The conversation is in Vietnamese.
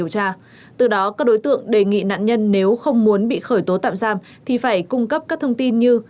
từ đó các đối tượng đề nghị nạn nhân nếu không muốn bị khởi tố tạm giam thì phải cung cấp các thông tin như